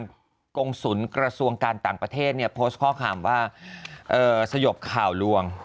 กงศูนย์กระทรวงการต่างประเทศเนี่ยโพสต์ข้อความว่าสยบข่าวลวง